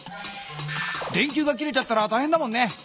電球が切れちゃったらたいへんだもんね。